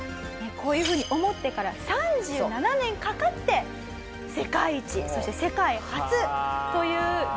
こういうふうに思ってから３７年かかって世界一そして世界初という夢をかなえたんですよ。